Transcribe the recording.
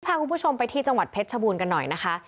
พาคุณผู้ชมไปที่จังหวัดเพชรชบูรณ์กันหน่อยนะคะ